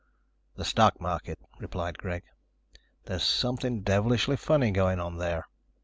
"The stock market," replied Greg. "There's something devilish funny going on there.